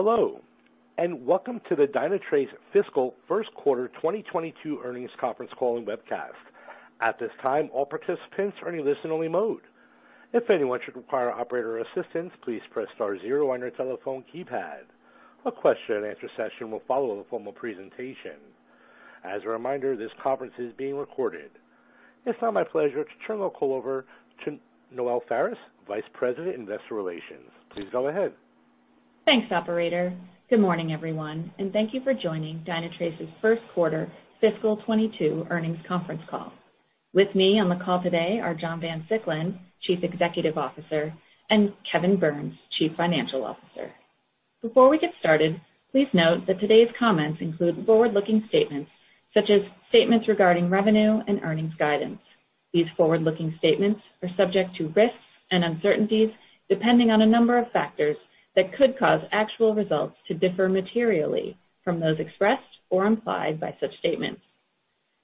Hello, welcome to the Dynatrace fiscal first quarter 2022 earnings conference call and webcast. At this time, all participants are in listen-only mode. If anyone should require operator assistance, please press star zero on your telephone keypad. A question-and-answer session will follow the formal presentation. As a reminder, this conference is being recorded. It is now my pleasure to turn the call over to Noelle Faris, Vice President, Investor Relations. Please go ahead. Thanks, operator. Good morning, everyone, and thank you for joining Dynatrace's first quarter fiscal 2022 earnings conference call. With me on the call today are John Van Siclen, Chief Executive Officer, and Kevin Burns, Chief Financial Officer. Before we get started, please note that today's comments include forward-looking statements, such as statements regarding revenue and earnings guidance. These forward-looking statements are subject to risks and uncertainties, depending on a number of factors that could cause actual results to differ materially from those expressed or implied by such statements.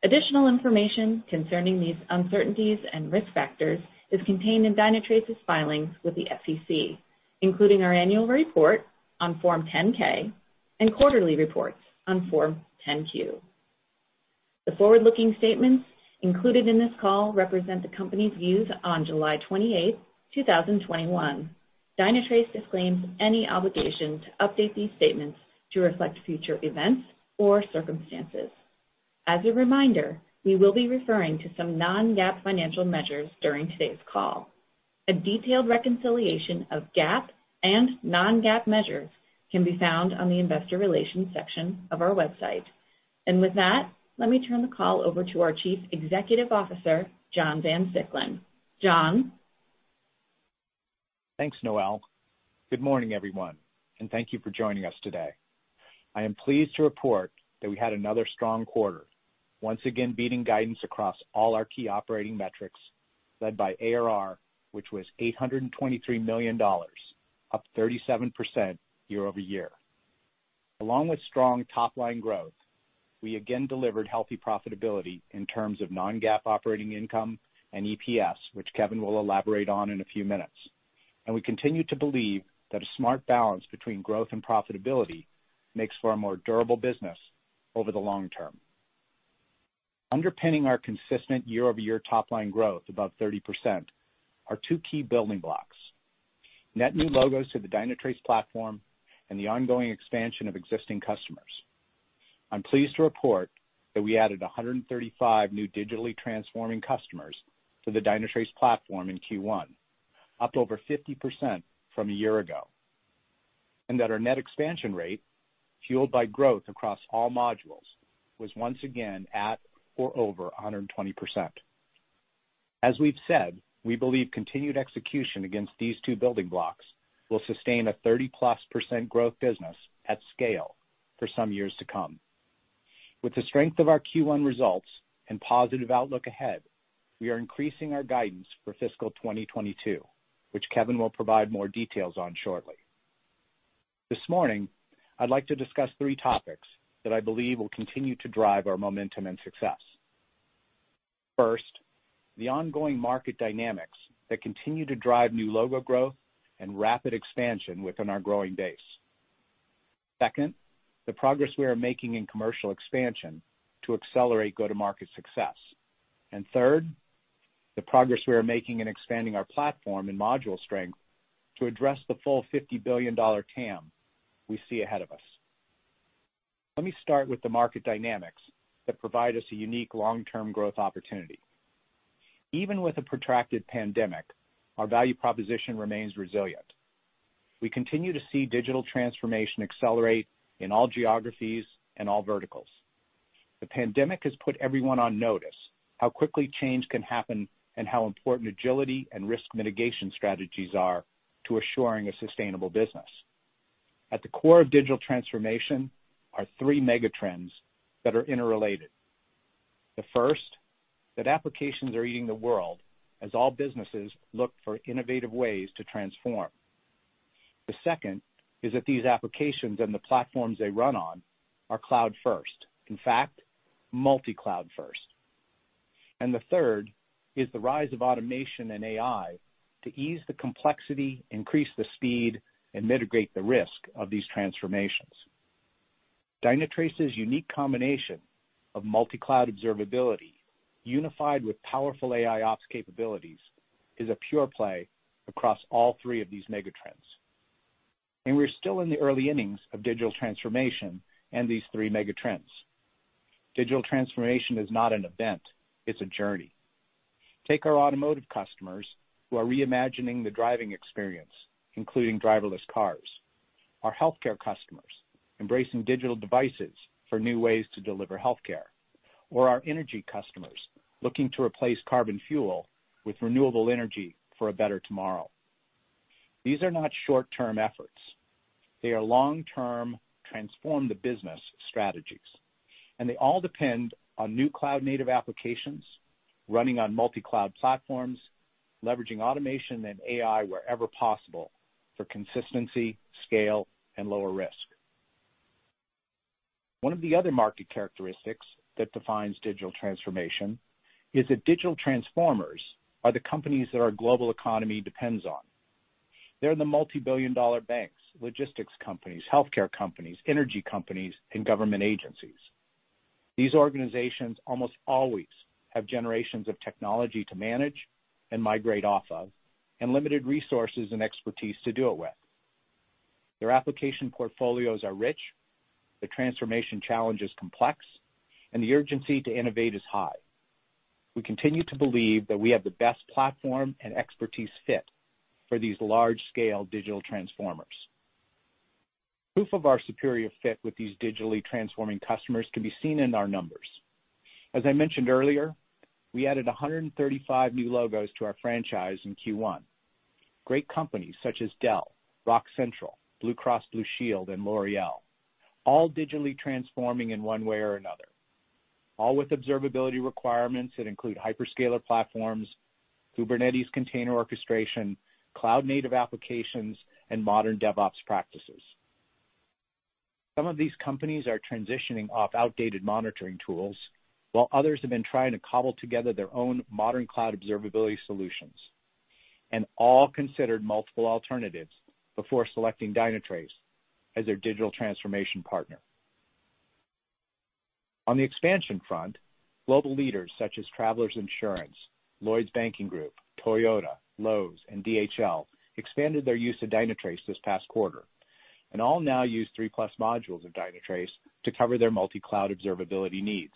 Additional information concerning these uncertainties and risk factors is contained in Dynatrace's filings with the SEC, including our annual report on Form 10-K and quarterly reports on Form 10-Q. The forward-looking statements included in this call represent the company's views on July 28, 2021. Dynatrace disclaims any obligation to update these statements to reflect future events or circumstances. As a reminder, we will be referring to some non-GAAP financial measures during today's call. A detailed reconciliation of GAAP and non-GAAP measures can be found on the investor relations section of our website. With that, let me turn the call over to our Chief Executive Officer, John Van Siclen. John? Thanks, Noelle. Good morning, everyone, and thank you for joining us today. I am pleased to report that we had another strong quarter, once again beating guidance across all our key operating metrics, led by ARR, which was $823 million, up 37% year-over-year. Along with strong top-line growth, we again delivered healthy profitability in terms of non-GAAP operating income and EPS, which Kevin will elaborate on in a few minutes. We continue to believe that a smart balance between growth and profitability makes for a more durable business over the long term. Underpinning our consistent year-over-year top-line growth above 30% are two key building blocks, net new logos to the Dynatrace platform and the ongoing expansion of existing customers. I'm pleased to report that we added 135 new digitally transforming customers to the Dynatrace platform in Q1, up over 50% from a year ago, and that our net expansion rate, fueled by growth across all modules, was once again at or over 120%. As we've said, we believe continued execution against these two building blocks will sustain a 30-plus% growth business at scale for some years to come. With the strength of our Q1 results and positive outlook ahead, we are increasing our guidance for fiscal 2022, which Kevin will provide more details on shortly. This morning, I'd like to discuss three topics that I believe will continue to drive our momentum and success. First, the ongoing market dynamics that continue to drive new logo growth and rapid expansion within our growing base. Second, the progress we are making in commercial expansion to accelerate go-to-market success. Third, the progress we are making in expanding our platform and module strength to address the full $50 billion TAM we see ahead of us. Let me start with the market dynamics that provide us a unique long-term growth opportunity. Even with a protracted pandemic, our value proposition remains resilient. We continue to see digital transformation accelerate in all geographies and all verticals. The pandemic has put everyone on notice how quickly change can happen and how important agility and risk mitigation strategies are to assuring a sustainable business. At the core of digital transformation are three mega trends that are interrelated. First, that applications are eating the world as all businesses look for innovative ways to transform. Second, these applications and the platforms they run on are cloud-first. In fact, multi-cloud first. The third is the rise of automation and AI to ease the complexity, increase the speed, and mitigate the risk of these transformations. Dynatrace's unique combination of multi-cloud observability, unified with powerful AIOps capabilities, is a pure play across all three of these mega trends. We're still in the early innings of digital transformation and these three mega trends. Digital transformation is not an event, it's a journey. Take our automotive customers who are reimagining the driving experience, including driverless cars. Our healthcare customers embracing digital devices for new ways to deliver healthcare. Our energy customers looking to replace carbon fuel with renewable energy for a better tomorrow. These are not short-term efforts. They are long-term, transform the business strategies, and they all depend on new cloud-native applications running on multi-cloud platforms, leveraging automation and AI wherever possible for consistency, scale, and lower risk. One of the other market characteristics that defines digital transformation is that digital transformers are the companies that our global economy depends on. They're the multi-billion dollar banks, logistics companies, healthcare companies, energy companies, and government agencies. These organizations almost always have generations of technology to manage and migrate off of, and limited resources and expertise to do it with. Their application portfolios are rich, the transformation challenge is complex, and the urgency to innovate is high. We continue to believe that we have the best platform and expertise fit for these large-scale digital transformers. Proof of our superior fit with these digitally transforming customers can be seen in our numbers. As I mentioned earlier, we added 135 new logos to our franchise in Q1. Great companies such as Dell, Rocket Central, Blue Cross Blue Shield, and L'Oréal, all digitally transforming in one way or another, all with observability requirements that include hyperscaler platforms, Kubernetes container orchestration, cloud-native applications, and modern DevOps practices. Some of these companies are transitioning off outdated monitoring tools, while others have been trying to cobble together their own modern cloud observability solutions, and all considered multiple alternatives before selecting Dynatrace as their digital transformation partner. On the expansion front, global leaders such as Travelers, Lloyds Banking Group, Toyota, Lowe's, and DHL expanded their use of Dynatrace this past quarter and all now use 3-plus modules of Dynatrace to cover their multi-cloud observability needs.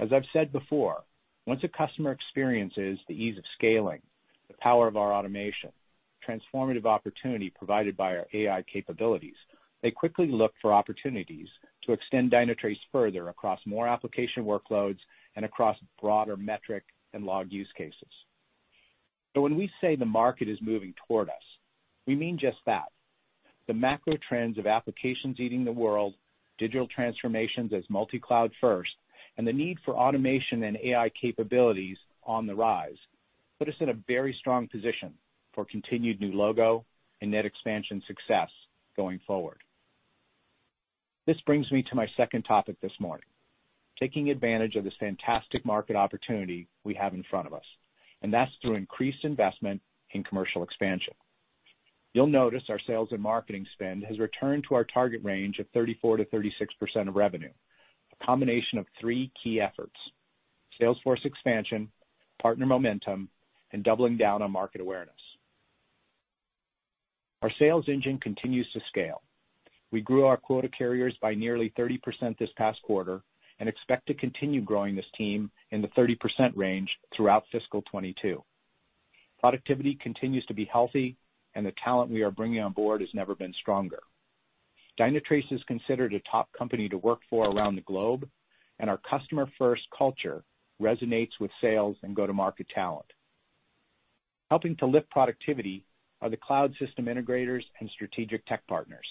As I've said before, once a customer experiences the ease of scaling, the power of our automation, transformative opportunity provided by our AI capabilities, they quickly look for opportunities to extend Dynatrace further across more application workloads and across broader metric and log use cases. When we say the market is moving toward us, we mean just that. The macro trends of applications eating the world, digital transformations as multi-cloud first, and the need for automation and AI capabilities on the rise, put us in a very strong position for continued new logo and net expansion success going forward. This brings me to my second topic this morning, taking advantage of this fantastic market opportunity we have in front of us, that's through increased investment in commercial expansion. You'll notice our sales and marketing spend has returned to our target range of 34%-36% of revenue. A combination of three key efforts: sales force expansion, partner momentum, and doubling down on market awareness. Our sales engine continues to scale. We grew our quota carriers by nearly 30% this past quarter and expect to continue growing this team in the 30% range throughout fiscal 2022. Productivity continues to be healthy, and the talent we are bringing on board has never been stronger. Dynatrace is considered a top company to work for around the globe, and our customer-first culture resonates with sales and go-to-market talent. Helping to lift productivity are the cloud system integrators and strategic tech partners.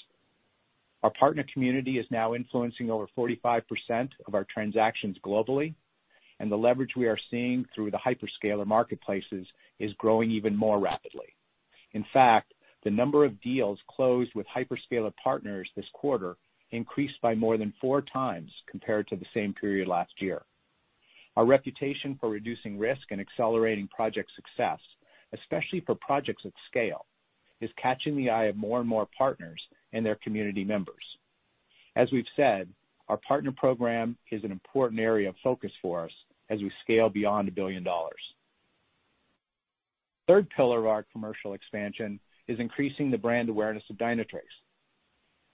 Our partner community is now influencing over 45% of our transactions globally, and the leverage we are seeing through the hyperscaler marketplaces is growing even more rapidly. In fact, the number of deals closed with hyperscaler partners this quarter increased by more than 4x compared to the same period last year. Our reputation for reducing risk and accelerating project success, especially for projects at scale, is catching the eye of more and more partners and their community members. As we've said, our partner program is an important area of focus for us as we scale beyond $1 billion. Third pillar of our commercial expansion is increasing the brand awareness of Dynatrace.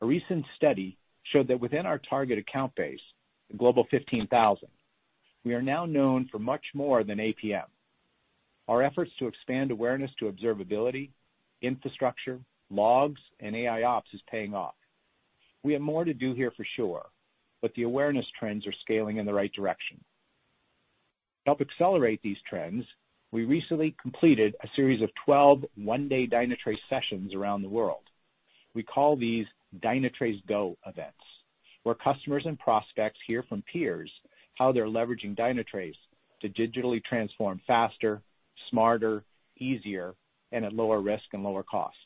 A recent study showed that within our target account base, the Global 15,000, we are now known for much more than APM. Our efforts to expand awareness to observability, infrastructure, logs, and AIOps is paying off. We have more to do here for sure, but the awareness trends are scaling in the right direction. To help accelerate these trends, we recently completed a series of 12 one-day Dynatrace sessions around the world. We call these Dynatrace Go events, where customers and prospects hear from peers how they're leveraging Dynatrace to digitally transform faster, smarter, easier, and at lower risk and lower cost.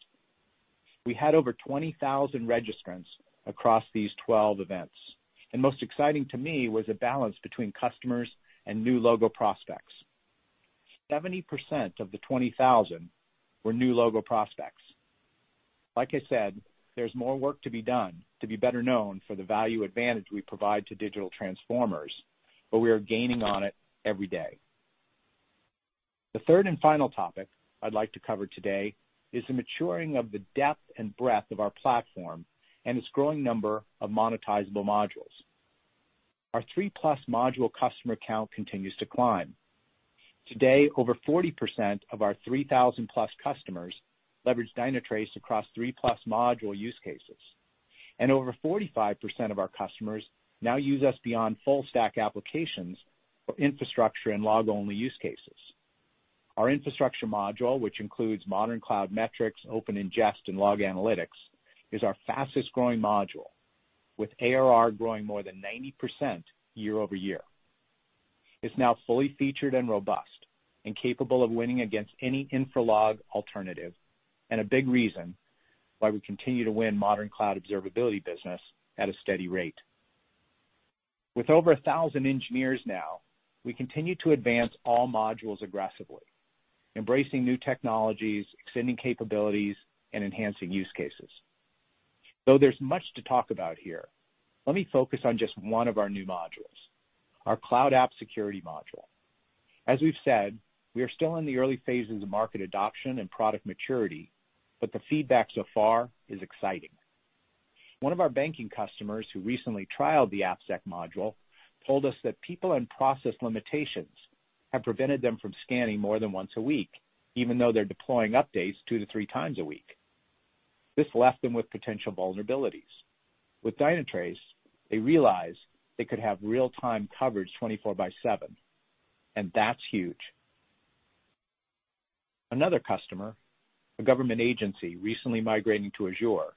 We had over 20,000 registrants across these 12 events, and most exciting to me was a balance between customers and new logo prospects. 70% of the 20,000 were new logo prospects. Like I said, there's more work to be done to be better known for the value advantage we provide to digital transformers, but we are gaining on it every day. The third and final topic I'd like to cover today is the maturing of the depth and breadth of our platform and its growing number of monetizable modules. Our 3-plus module customer count continues to climb. Today, over 40% of our 3,000+ customers leverage Dynatrace across 3-plus module use cases, and over 45% of our customers now use us beyond full stack applications for infrastructure and log-only use cases. Our infrastructure module, which includes modern cloud metrics, open ingest, and log analytics, is our fastest-growing module, with ARR growing more than 90% year-over-year. It is now fully featured and robust and capable of winning against any infra log alternative, and a big reason why we continue to win modern cloud observability business at a steady rate. With over 1,000 engineers now, we continue to advance all modules aggressively, embracing new technologies, extending capabilities, and enhancing use cases. Though there's much to talk about here, let me focus on just one of our new modules, our cloud app security module. As we've said, we are still in the early phases of market adoption and product maturity, but the feedback so far is exciting. One of our banking customers who recently trialed the AppSec module told us that people and process limitations have prevented them from scanning more than once a week, even though they're deploying updates 2-3x a week. This left them with potential vulnerabilities. With Dynatrace, they realized they could have real-time coverage 24/7, and that's huge. Another customer, a government agency recently migrating to Azure,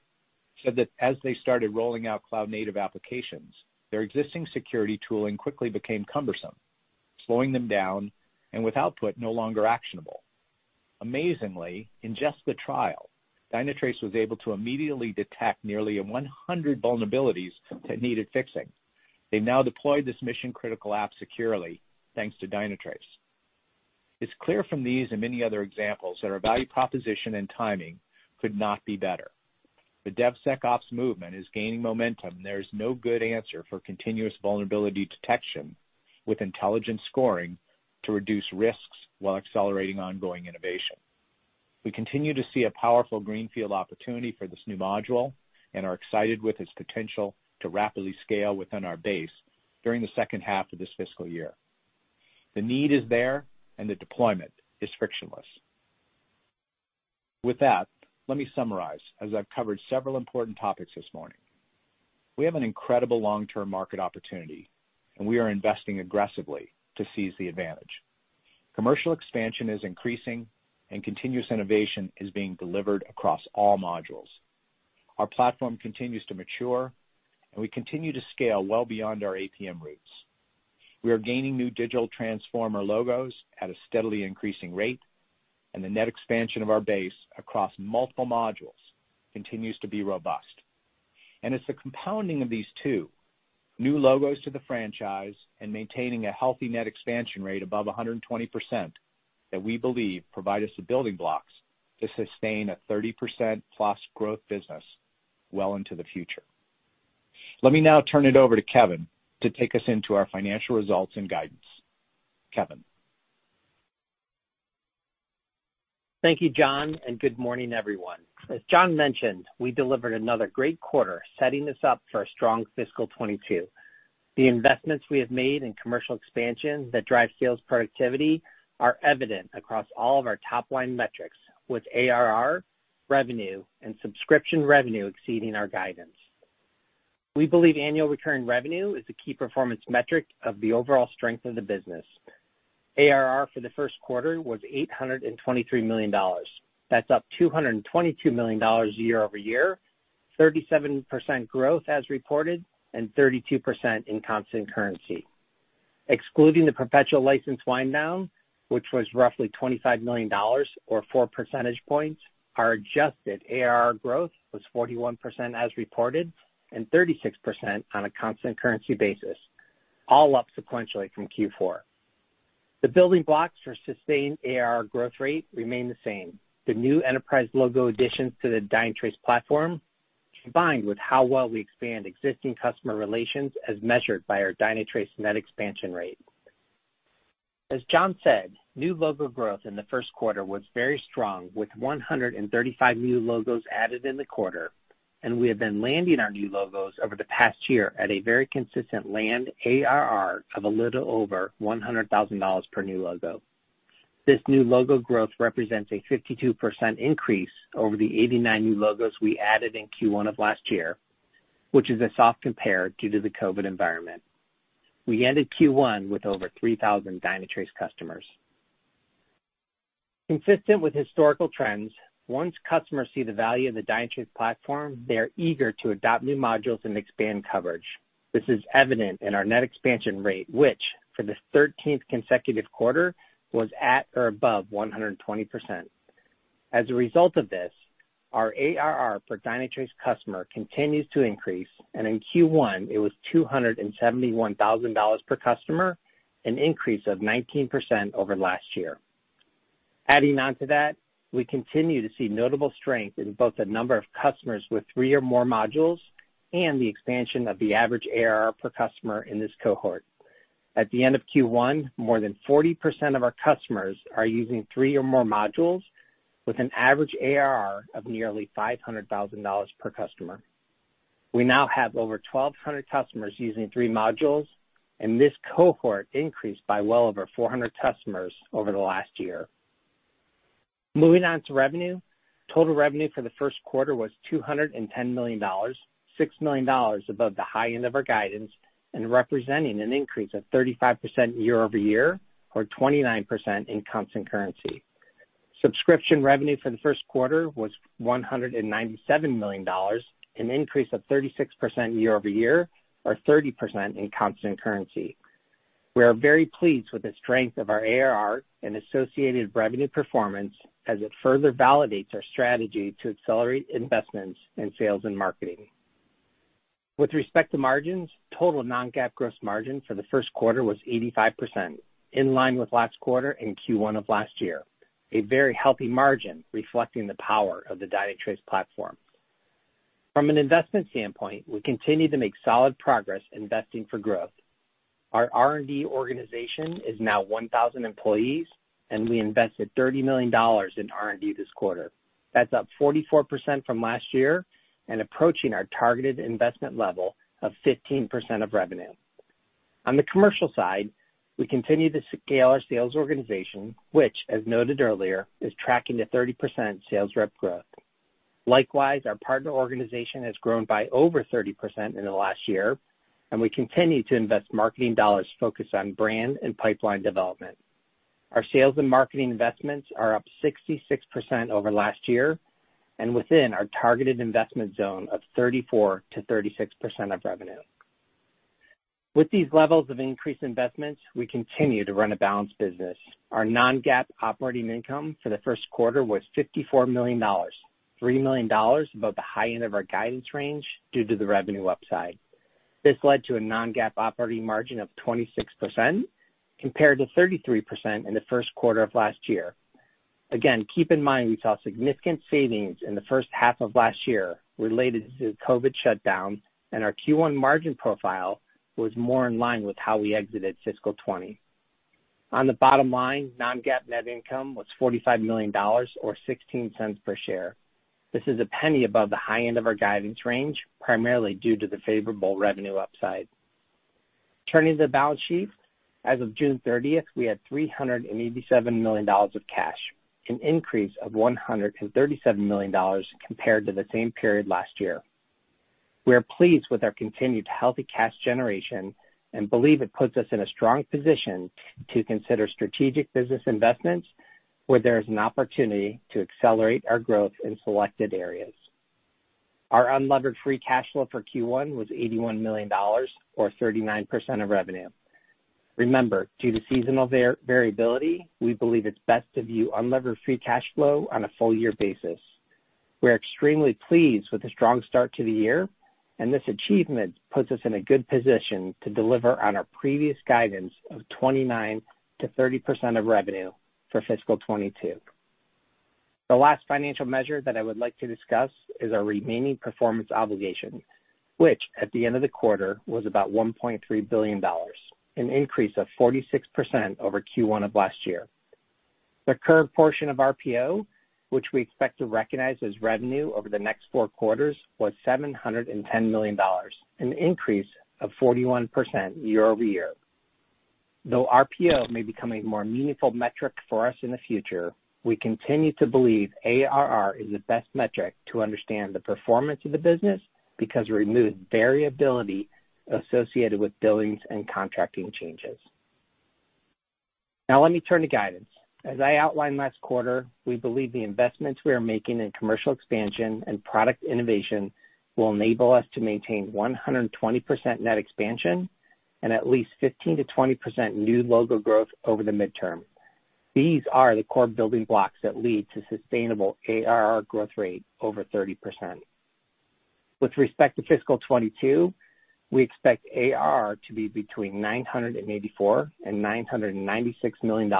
said that as they started rolling out cloud-native applications, their existing security tooling quickly became cumbersome, slowing them down, and with output no longer actionable. Amazingly, in just the trial, Dynatrace was able to immediately detect nearly 100 vulnerabilities that needed fixing. They now deploy this mission-critical app securely thanks to Dynatrace. It's clear from these and many other examples that our value proposition and timing could not be better. The DevSecOps movement is gaining momentum. There is no good answer for continuous vulnerability detection with intelligent scoring to reduce risks while accelerating ongoing innovation. We continue to see a powerful greenfield opportunity for this new module and are excited with its potential to rapidly scale within our base during the second half of this fiscal year. The need is there, and the deployment is frictionless. With that, let me summarize, as I've covered several important topics this morning. We have an incredible long-term market opportunity, and we are investing aggressively to seize the advantage. Commercial expansion is increasing, and continuous innovation is being delivered across all modules. Our platform continues to mature, and we continue to scale well beyond our APM roots. We are gaining new digital transformer logos at a steadily increasing rate, and the net expansion of our base across multiple modules continues to be robust. It's the compounding of these two, new logos to the franchise and maintaining a healthy net expansion rate above 120%, that we believe provide us the building blocks to sustain a 30%-plus growth business well into the future. Let me now turn it over to Kevin to take us into our financial results and guidance. Kevin? Thank you, John, and good morning, everyone. As John mentioned, we delivered another great quarter, setting us up for a strong fiscal 2022. The investments we have made in commercial expansion that drive sales productivity are evident across all of our top-line metrics, with ARR, revenue, and subscription revenue exceeding our guidance. We believe Annual Recurring Revenue is a key performance metric of the overall strength of the business. ARR for the first quarter was $823 million. That's up $222 million year-over-year, 37% growth as reported, and 32% in constant currency. Excluding the perpetual license wind down, which was roughly $25 million or 4 percentage points, our adjusted ARR growth was 41% as reported, and 36% on a constant currency basis, all up sequentially from Q4. The building blocks for sustained ARR growth rate remain the same. The new enterprise logo additions to the Dynatrace platform, combined with how well we expand existing customer relations as measured by our Dynatrace net expansion rate. As John said, new logo growth in the first quarter was very strong with 135 new logos added in the quarter, and we have been landing our new logos over the past year at a very consistent land ARR of a little over $100,000 per new logo. This new logo growth represents a 52% increase over the 89 new logos we added in Q1 of last year, which is a soft compare due to the COVID environment. We ended Q1 with over 3,000 Dynatrace customers. Consistent with historical trends, once customers see the value of the Dynatrace platform, they are eager to adopt new modules and expand coverage. This is evident in our net expansion rate, which, for the 13th consecutive quarter, was at or above 120%. As a result of this, our ARR per Dynatrace customer continues to increase, and in Q1, it was $271,000 per customer, an increase of 19% over last year. Adding on to that, we continue to see notable strength in both the number of customers with three or more modules and the expansion of the average ARR per customer in this cohort. At the end of Q1, more than 40% of our customers are using three or more modules with an average ARR of nearly $500,000 per customer. We now have over 1,200 customers using three modules, and this cohort increased by well over 400 customers over the last year. Moving on to revenue. Total revenue for the first quarter was $210 million, $6 million above the high end of our guidance and representing an increase of 35% year-over-year, or 29% in constant currency. Subscription revenue for the first quarter was $197 million, an increase of 36% year-over-year, or 30% in constant currency. We are very pleased with the strength of our ARR and associated revenue performance as it further validates our strategy to accelerate investments in sales and marketing. With respect to margins, total non-GAAP gross margin for the first quarter was 85%, in line with last quarter and Q1 of last year. A very healthy margin reflecting the power of the Dynatrace platform. From an investment standpoint, we continue to make solid progress investing for growth. Our R&D organization is now 1,000 employees, and we invested $30 million in R&D this quarter. That's up 44% from last year and approaching our targeted investment level of 15% of revenue. On the commercial side, we continue to scale our sales organization, which, as noted earlier, is tracking to 30% sales rep growth. Likewise, our partner organization has grown by over 30% in the last year, and we continue to invest marketing dollars focused on brand and pipeline development. Our sales and marketing investments are up 66% over last year and within our targeted investment zone of 34%-36% of revenue. With these levels of increased investments, we continue to run a balanced business. Our non-GAAP operating income for the first quarter was $54 million, $3 million above the high end of our guidance range due to the revenue upside. This led to a non-GAAP operating margin of 26% compared to 33% in the first quarter of last year. Keep in mind, we saw significant savings in the first half of last year related to COVID shutdowns, and our Q1 margin profile was more in line with how we exited fiscal 2020. On the bottom line, non-GAAP net income was $45 million or $0.16 per share. This is $0.01 above the high end of our guidance range, primarily due to the favorable revenue upside. Turning to the balance sheet, as of June 30th, we had $387 million of cash, an increase of $137 million compared to the same period last year. We are pleased with our continued healthy cash generation and believe it puts us in a strong position to consider strategic business investments where there is an opportunity to accelerate our growth in selected areas. Our unlevered free cash flow for Q1 was $81 million, or 39% of revenue. Remember, due to seasonal variability, we believe it's best to view unlevered free cash flow on a full year basis. We are extremely pleased with the strong start to the year, and this achievement puts us in a good position to deliver on our previous guidance of 29%-30% of revenue for fiscal 2022. The last financial measure that I would like to discuss is our remaining performance obligation, which at the end of the quarter was about $1.3 billion, an increase of 46% over Q1 of last year. The current portion of RPO, which we expect to recognize as revenue over the next 4 quarters, was $710 million, an increase of 41% year-over-year. Though RPO may become a more meaningful metric for us in the future, we continue to believe ARR is the best metric to understand the performance of the business because it removes variability associated with billings and contracting changes. Now let me turn to guidance. As I outlined last quarter, we believe the investments we are making in commercial expansion and product innovation will enable us to maintain 120% net expansion and at least 15%-20% new logo growth over the midterm. These are the core building blocks that lead to sustainable ARR growth rate over 30%. With respect to fiscal 2022, we expect ARR to be between $984 million and $996 million,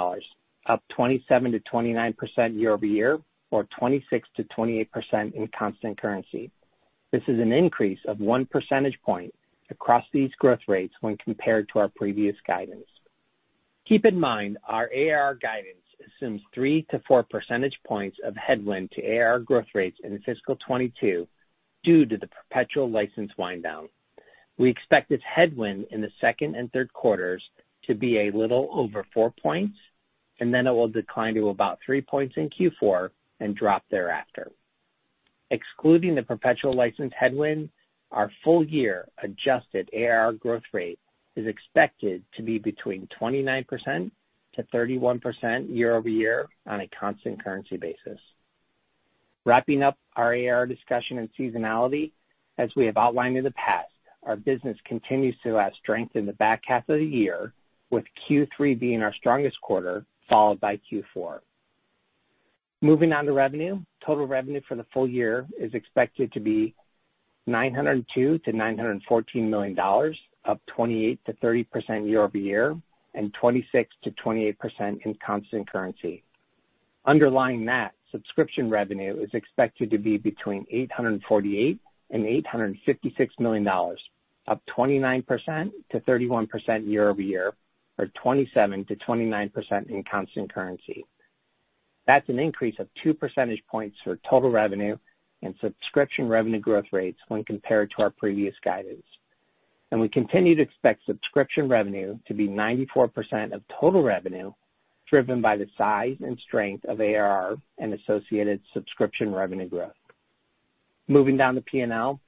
up 27%-29% year-over-year, or 26%-28% in constant currency. This is an increase of 1 percentage point across these growth rates when compared to our previous guidance. Keep in mind our ARR guidance assumes 3-4 percentage points of headwind to ARR growth rates in fiscal 2022 due to the perpetual license wind down. We expect this headwind in the second and third quarters to be a little over 4 points, and then it will decline to about 3 points in Q4 and drop thereafter. Excluding the perpetual license headwind, our full year adjusted ARR growth rate is expected to be between 29%-31% year-over-year on a constant currency basis. Wrapping up our ARR discussion and seasonality, as we have outlined in the past, our business continues to have strength in the back half of the year, with Q3 being our strongest quarter, followed by Q4. Moving on to revenue. Total revenue for the full year is expected to be $902-914 million, up 28%-30% year-over-year and 26%-28% in constant currency. Underlying that, subscription revenue is expected to be between $848 million and $856 million, up 29%-31% year-over-year, or 27%-29% in constant currency. That's an increase of 2 percentage points for total revenue and subscription revenue growth rates when compared to our previous guidance. We continue to expect subscription revenue to be 94% of total revenue, driven by the size and strength of ARR and associated subscription revenue growth. Moving down to P&L,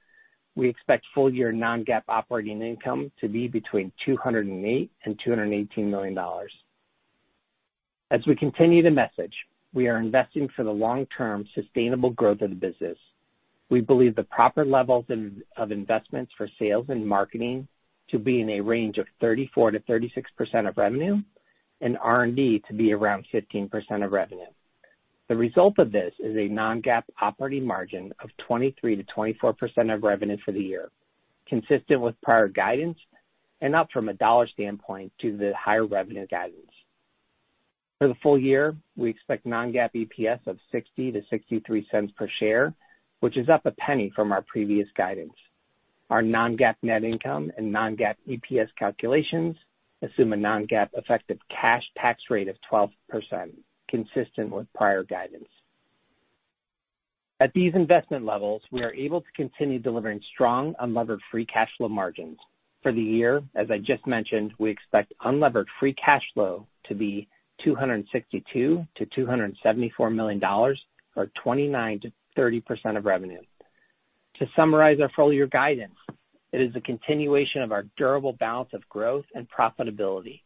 we expect full-year non-GAAP operating income to be between $208 million and $218 million. As we continue the message, we are investing for the long-term sustainable growth of the business. We believe the proper levels of investments for sales and marketing to be in a range of 34%-36% of revenue, and R&D to be around 15% of revenue. The result of this is a non-GAAP operating margin of 23%-24% of revenue for the year, consistent with prior guidance, and up from a dollar standpoint to the higher revenue guidance. For the full year, we expect non-GAAP EPS of $0.60-$0.63 per share, which is up $0.01 from our previous guidance. Our non-GAAP net income and non-GAAP EPS calculations assume a non-GAAP effective cash tax rate of 12%, consistent with prior guidance. At these investment levels, we are able to continue delivering strong unlevered free cash flow margins. For the year, as I just mentioned, we expect unlevered free cash flow to be $262-274 million, or 29%-30% of revenue. To summarize our full-year guidance, it is a continuation of our durable balance of growth and profitability,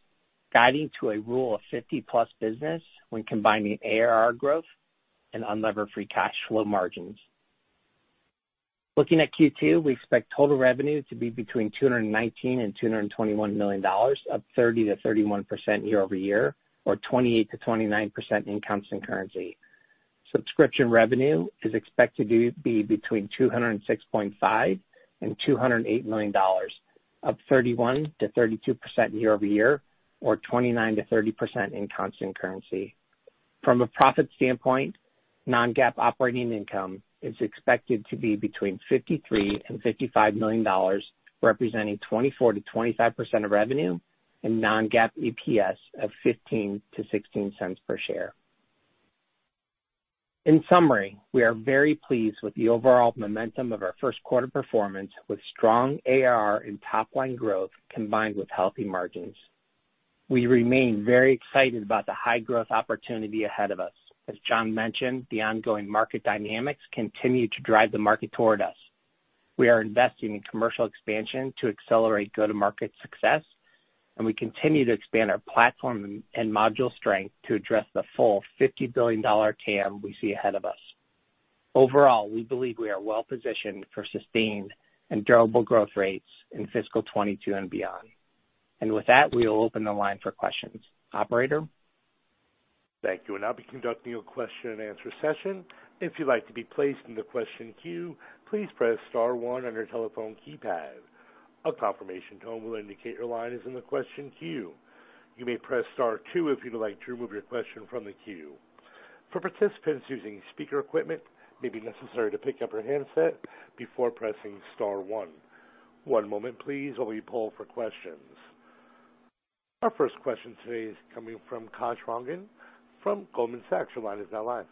guiding to a rule of 50+ business when combining ARR growth and unlevered free cash flow margins. Looking at Q2, we expect total revenue to be between $219-221 million, up 30%-31% year-over-year, or 28%-29% in constant currency. Subscription revenue is expected to be between $206.5-208 million, up 31%-32% year-over-year, or 29%-30% in constant currency. From a profit standpoint, non-GAAP operating income is expected to be between $53-55 million, representing 24%-25% of revenue, and non-GAAP EPS of $0.15-$0.16 per share. In summary, we are very pleased with the overall momentum of our first quarter performance, with strong ARR in top-line growth, combined with healthy margins. We remain very excited about the high-growth opportunity ahead of us. As John mentioned, the ongoing market dynamics continue to drive the market toward us. We are investing in commercial expansion to accelerate go-to-market success, and we continue to expand our platform and module strength to address the full $50 billion TAM we see ahead of us. Overall, we believe we are well-positioned for sustained and durable growth rates in fiscal 2022 and beyond. With that, we will open the line for questions. Operator? Thank you. We'll now be conducting a question and answer session. If you'd like to be placed in the question queue, please press star one on your telephone keypad. A confirmation tone will indicate your line is in the question queue. You may press star two if you'd like to remove your question from the queue. For participants using speaker equipment, it may be necessary to pick up your handset before pressing star one. One moment please, while we poll for questions. Our first question today is coming from Kash Rangan from Goldman Sachs. Your line is now live.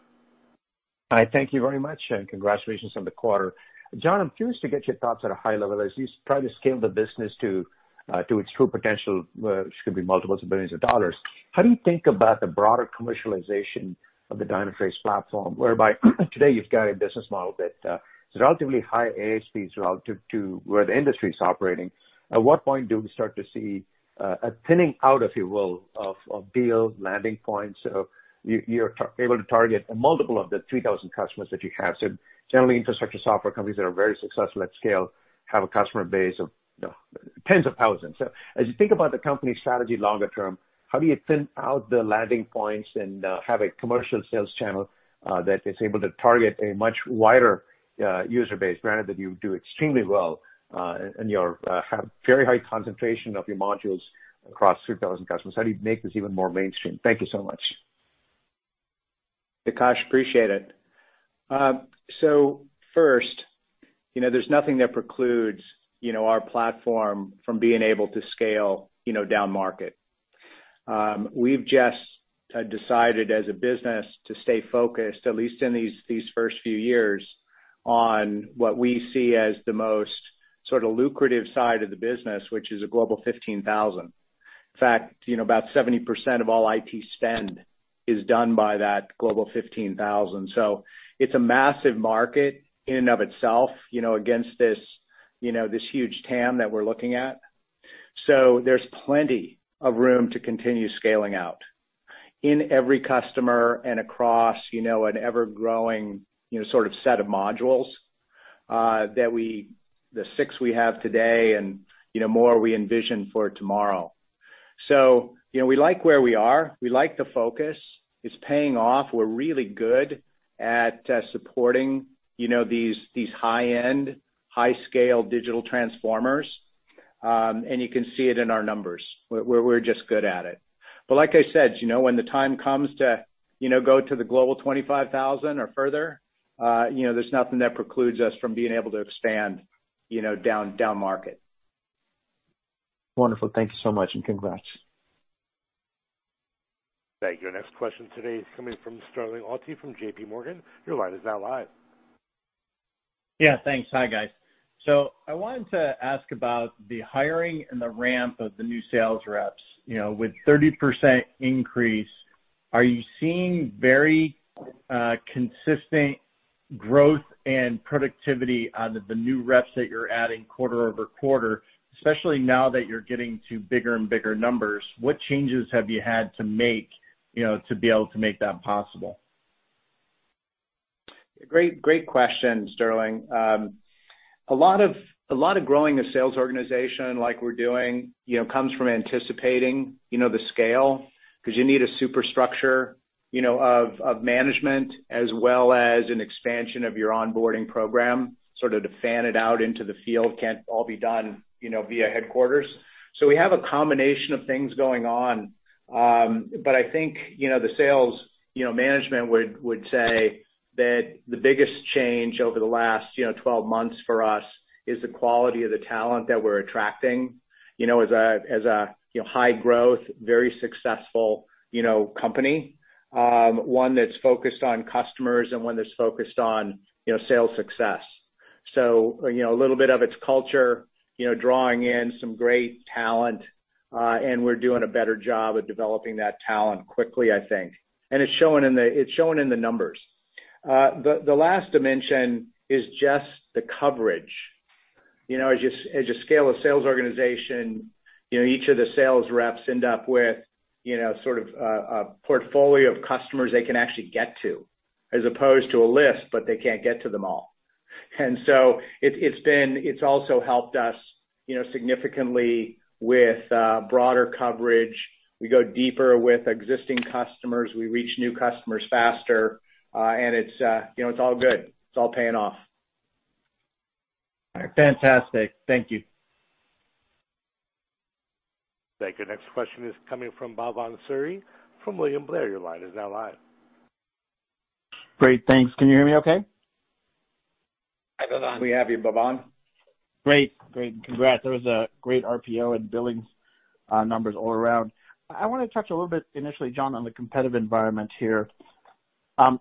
Hi. Thank you very much, and congratulations on the quarter. John, I'm curious to get your thoughts at a high level as you try to scale the business to its true potential, which could be multiples of billions of dollars. How do you think about the broader commercialization of the Dynatrace platform, whereby today you've got a business model that is relatively high ASPs relative to where the industry's operating? At what point do we start to see a thinning out, if you will, of deals, landing points? You're able to target a multiple of the 3,000 customers that you have. Generally, infrastructure software companies that are very successful at scale have a customer base of tens of thousands. As you think about the company strategy longer term, how do you thin out the landing points and have a commercial sales channel that is able to target a much wider user base, granted that you do extremely well, and you have very high concentration of your modules across 3,000 customers? How do you make this even more mainstream? Thank you so much. Kash, appreciate it. First, there's nothing that precludes our platform from being able to scale downmarket. We've just decided as a business to stay focused, at least in these first few years, on what we see as the most sort of lucrative side of the business, which is a Global 15,000. In fact, about 70% of all IT spend is done by that Global 15,000. It's a massive market in and of itself against this huge TAM that we're looking at. There's plenty of room to continue scaling out in every customer and across an ever-growing sort of set of modules that the 6 we have today and more we envision for tomorrow. We like where we are. We like the focus. It's paying off. We're really good at supporting these high-end, high-scale digital transformers. You can see it in our numbers. We're just good at it. Like I said, when the time comes to go to the Global 25,000 or further, there's nothing that precludes us from being able to expand downmarket. Wonderful. Thank you so much, and congrats. Thank you. Our next question today is coming from Sterling Auty from JPMorgan. Your line is now live. Yeah, thanks. Hi, guys. I wanted to ask about the hiring and the ramp of the new sales reps. With 30% increase. Are you seeing very consistent growth and productivity out of the new reps that you're adding quarter-over-quarter, especially now that you're getting to bigger and bigger numbers? What changes have you had to make to be able to make that possible? Great question, Sterling. A lot of growing a sales organization like we're doing comes from anticipating the scale, because you need a super structure of management as well as an expansion of your onboarding program, sort of to fan it out into the field. Can't all be done via headquarters. We have a combination of things going on. I think, the sales management would say that the biggest change over the last 12 months for us is the quality of the talent that we're attracting as a high growth, very successful company. One that's focused on customers and one that's focused on sales success. A little bit of its culture, drawing in some great talent, and we're doing a better job of developing that talent quickly, I think. It's showing in the numbers. The last dimension is just the coverage. As you scale a sales organization, each of the sales reps end up with a sort of portfolio of customers they can actually get to, as opposed to a list, but they can't get to them all. It's also helped us significantly with broader coverage. We go deeper with existing customers. We reach new customers faster. It's all good. It's all paying off. All right. Fantastic. Thank you. Thank you. Next question is coming from Bhavan Suri from William Blair. Your line is now live. Great. Thanks. Can you hear me okay? Hi, Bhavan. We have you, Bhavan. Great. Congrats. That was a great RPO and billings numbers all around. I want to touch a little bit initially, John, on the competitive environment here. Over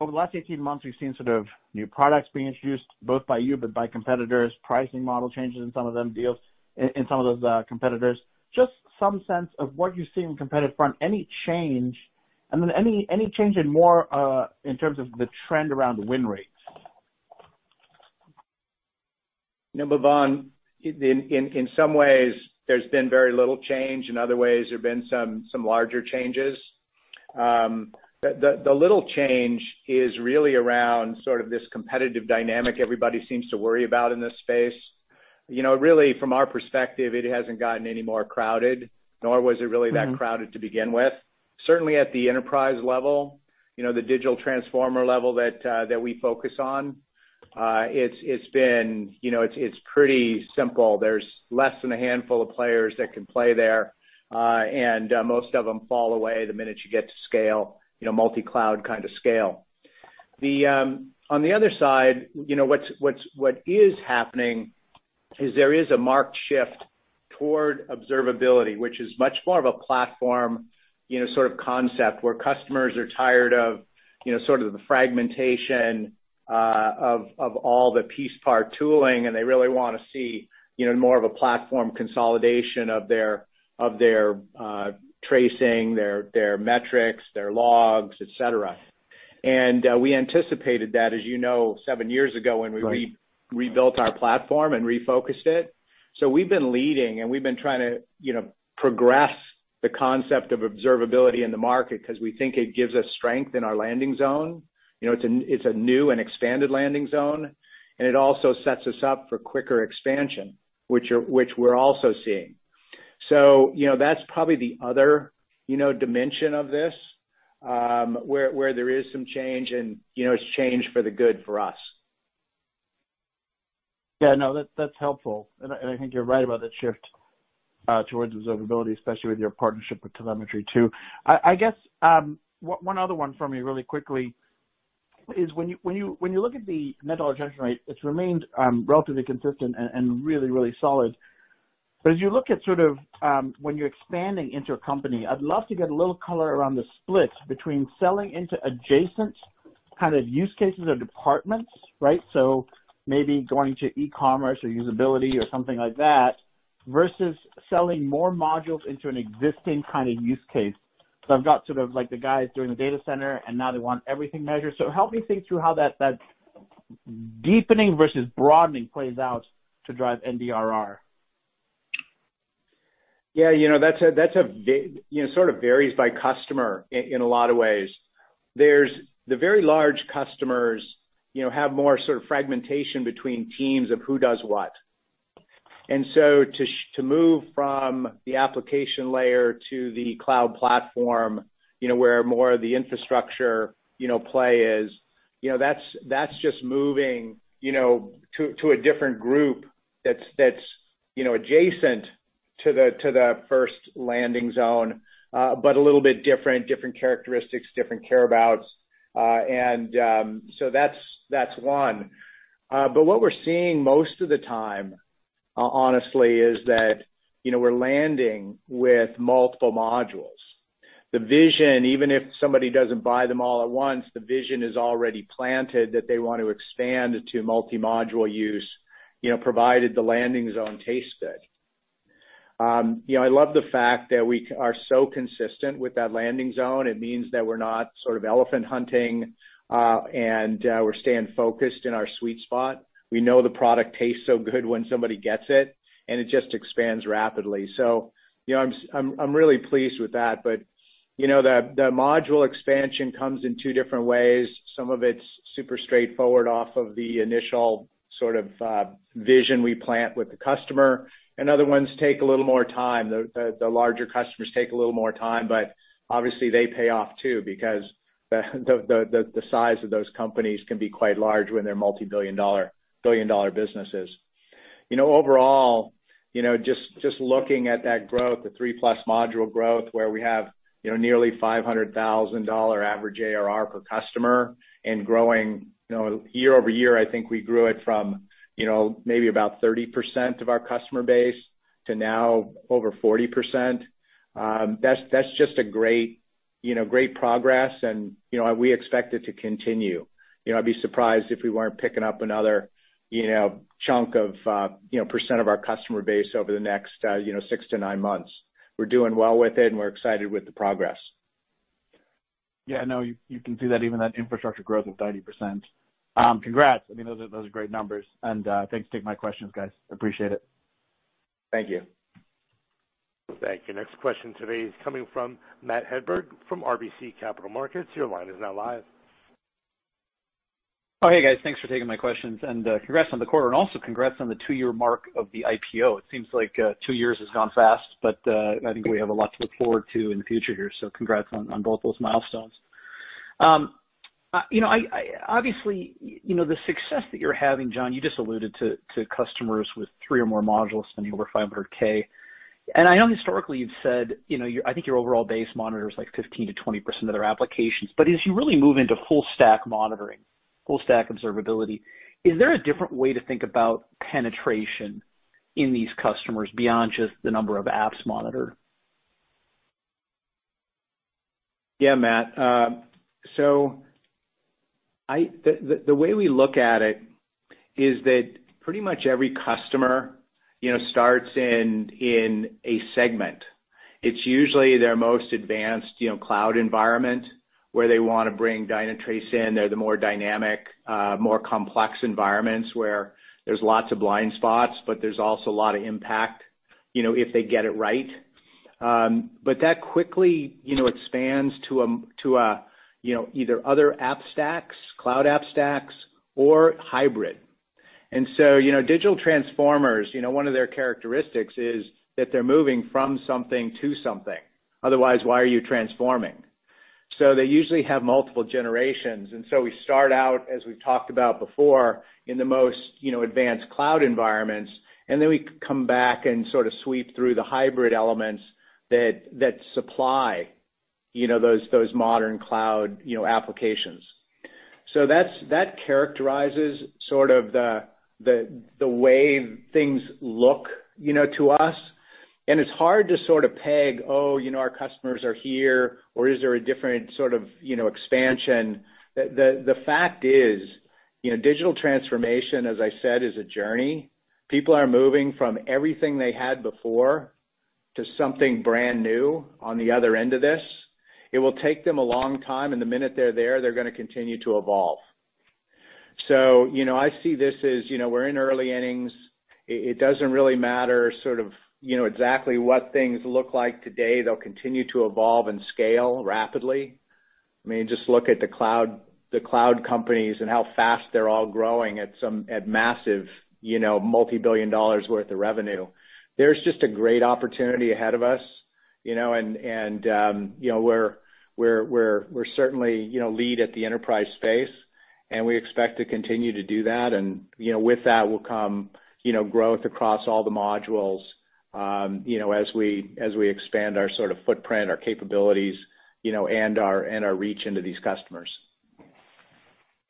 the last 18 months, we've seen sort of new products being introduced, both by you but by competitors, pricing model changes in some of them deals, in some of those competitors. Just some sense of what you see on the competitive front, any change, and then any change in more, in terms of the trend around win rates? Bhavan, in some ways, there's been very little change. In other ways, there's been some larger changes. The little change is really around sort of this competitive dynamic everybody seems to worry about in this space. Really from our perspective, it hasn't gotten any more crowded, nor was it really that crowded to begin with. Certainly at the enterprise level, the digital transformer level that we focus on, it's pretty simple. There's less than a handful of players that can play there. Most of them fall away the minute you get to scale, multi-cloud kind of scale. On the other side, what is happening is there is a marked shift toward observability, which is much more of a platform sort of concept where customers are tired of the fragmentation of all the piece part tooling, and they really want to see more of a platform consolidation of their tracing, their metrics, their logs, et cetera. We anticipated that, as you know, seven years ago when we rebuilt our platform and refocused it. We've been leading, and we've been trying to progress the concept of observability in the market because we think it gives us strength in our landing zone. It's a new and expanded landing zone, and it also sets us up for quicker expansion, which we're also seeing. That's probably the other dimension of this, where there is some change, and it's change for the good for us. No, that's helpful. I think you're right about the shift towards observability, especially with your partnership with OpenTelemetry, too. I guess, one other one for me really quickly is when you look at the Net Dollar Retention Rate, it's remained relatively consistent and really, really solid. As you look at sort of when you're expanding into a company, I'd love to get a little color around the split between selling into adjacent kind of use cases or departments, right? Maybe going to e-commerce or usability or something like that, versus selling more modules into an existing kind of use case. I've got sort of like the guys doing the data center, and now they want everything measured. Help me think through how that deepening versus broadening plays out to drive NDRR. That sort of varies by customer in a lot of ways. The very large customers have more sort of fragmentation between teams of who does what. To move from the application layer to the cloud platform, where more of the infrastructure play is, that's just moving to a different group that's adjacent to the first landing zone, but a little bit different characteristics, different care abouts. That's one. What we're seeing most of the time, honestly, is that we're landing with multiple modules. The vision, even if somebody doesn't buy them all at once, the vision is already planted that they want to expand to multi-module use, provided the landing zone tastes good. I love the fact that we are so consistent with that landing zone. It means that we're not sort of elephant hunting, and we're staying focused in our sweet spot. We know the product tastes so good when somebody gets it, and it just expands rapidly. I'm really pleased with that. The module expansion comes in 2 different ways. Some of it's super straightforward off of the initial sort of vision we plant with the customer, and other ones take a little more time. The larger customers take a little more time, but obviously they pay off too, because the size of those companies can be quite large when they're multibillion-dollar businesses. Overall, just looking at that growth, the 3-plus module growth, where we have nearly $500,000 average ARR per customer and growing. Year-over-year, I think we grew it from maybe about 30% of our customer base to now over 40%. That's just a great progress, and we expect it to continue. I'd be surprised if we weren't picking up another chunk of % of our customer base over the next six-nine months. We're doing well with it and we're excited with the progress. Yeah, I know you can see that even that infrastructure growth of 30%. Congrats. Those are great numbers. Thanks for taking my questions, guys. Appreciate it. Thank you. Thank you. Next question today is coming from Matt Hedberg from RBC Capital Markets. Your line is now live. Hey, guys. Thanks for taking my questions, congrats on the quarter, and also congrats on the two-year mark of the IPO. It seems like two years has gone fast, but I think we have a lot to look forward to in the future here, so congrats on both those milestones. Obviously, the success that you're having, John, you just alluded to customers with 3 or more modules spending over $500K. I know historically you've said, I think your overall base monitors 15%-20% of their applications. As you really move into full stack monitoring, full stack observability, is there a different way to think about penetration in these customers beyond just the number of apps monitored? Yeah, Matt. The way we look at it is that pretty much every customer starts in a segment. It's usually their most advanced cloud environment where they want to bring Dynatrace in. They're the more dynamic, more complex environments where there's lots of blind spots, but there's also a lot of impact, if they get it right. That quickly expands to either other app stacks, cloud app stacks, or hybrid. Digital transformers, one of their characteristics is that they're moving from something to something. Otherwise, why are you transforming? They usually have multiple generations, and so we start out, as we've talked about before, in the most advanced cloud environments, and then we come back and sort of sweep through the hybrid elements that supply those modern cloud applications. That characterizes sort of the way things look to us, and it's hard to sort of peg, oh, our customers are here, or is there a different sort of expansion? The fact is, digital transformation, as I said, is a journey. People are moving from everything they had before to something brand new on the other end of this. It will take them a long time, and the minute they're there, they're going to continue to evolve. I see this as we're in early innings. It doesn't really matter sort of exactly what things look like today. They'll continue to evolve and scale rapidly. I mean, just look at the cloud companies and how fast they're all growing at massive multibillion dollars worth of revenue. There's just a great opportunity ahead of us, and we're certainly lead at the enterprise space, and we expect to continue to do that. With that will come growth across all the modules as we expand our sort of footprint, our capabilities, and our reach into these customers.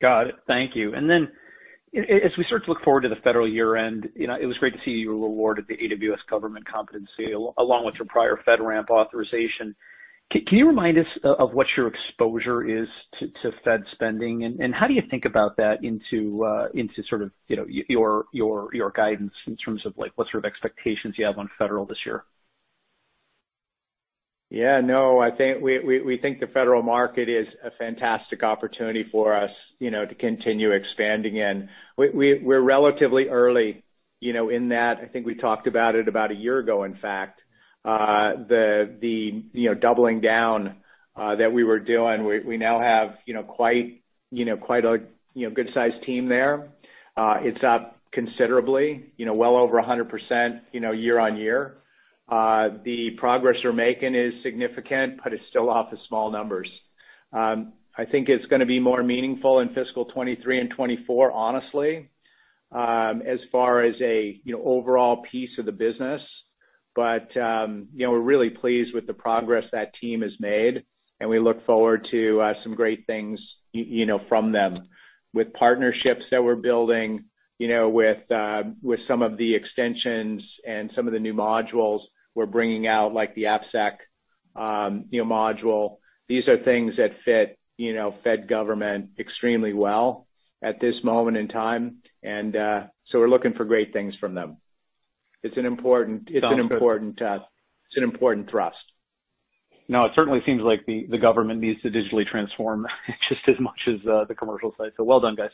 Got it. Thank you. As we start to look forward to the federal year-end, it was great to see you were awarded the AWS Government Competency along with your prior FedRAMP authorization. Can you remind us of what your exposure is to Fed spending, and how do you think about that into sort of your guidance in terms of what sort of expectations you have on federal this year? No, we think the federal market is a fantastic opportunity for us to continue expanding in. We're relatively early in that. I think we talked about it about a year ago, in fact, the doubling down that we were doing. We now have quite a good-sized team there. It's up considerably, well over 100% year-on-year. The progress we're making is significant, but it's still off of small numbers. I think it's going to be more meaningful in fiscal 2023 and 2024, honestly, as far as a overall piece of the business. We're really pleased with the progress that team has made, and we look forward to some great things from them. With partnerships that we're building, with some of the extensions and some of the new modules we're bringing out, like the AppSec module. These are things that fit Federal government extremely well at this moment in time. We're looking for great things from them. It's an important thrust. No, it certainly seems like the government needs to digitally transform just as much as the commercial side. Well done, guys.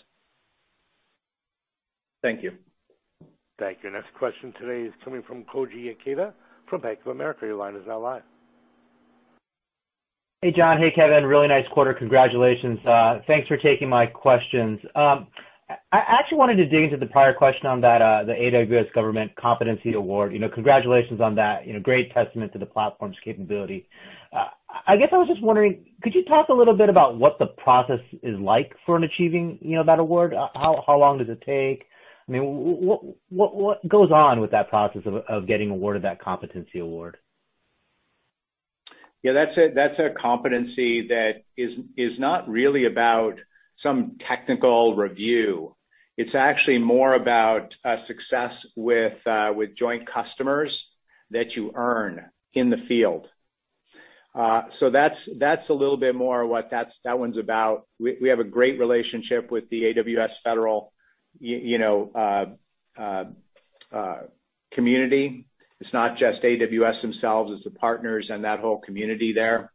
Thank you. Thank you. Next question today is coming from Koji Ikeda from Bank of America. Your line is now live. Hey, John. Hey, Kevin. Really nice quarter. Congratulations. Thanks for taking my questions. I actually wanted to dig into the prior question on the AWS Government Competency award. Congratulations on that. Great testament to the platform's capability. I guess I was just wondering, could you talk a little bit about what the process is like for achieving that award? How long does it take? What goes on with that process of getting awarded that competency award? Yeah, that's a competency that is not really about some technical review. It's actually more about success with joint customers that you earn in the field. That's a little bit more what that one's about. We have a great relationship with the AWS Federal community. It's not just AWS themselves, it's the partners and that whole community there.